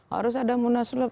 harus ada munasulat